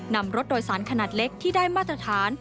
นำรถโดยสารขนาดเล็กที่ได้มาตรฐาน